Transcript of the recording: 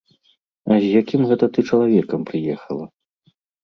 А з якім гэта ты чалавекам прыехала?